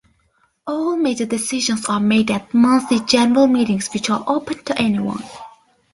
All major decisions are made at monthly general meetings which are open to anyone.